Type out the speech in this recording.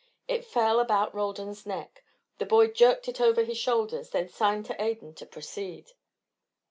It fell about Roldan's neck. The boy jerked it over his shoulders, then signed to Adan to proceed.